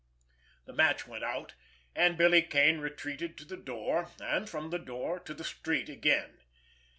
The match went out, and Billy Kane retreated to the door, and from the door, to the street again.